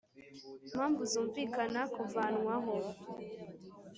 mpamvu zumvikana kuvanwaho